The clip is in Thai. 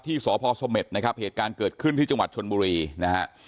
สพสเม็ดนะครับเหตุการณ์เกิดขึ้นที่จังหวัดชนบุรีนะฮะ